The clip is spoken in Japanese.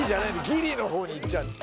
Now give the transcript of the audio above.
ギリの方にいっちゃうんだ